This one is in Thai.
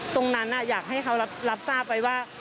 ตรงนั้นอยากให้เขารับทราบไว้ว่า